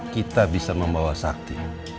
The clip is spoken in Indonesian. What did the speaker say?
kita bisa membawa sakti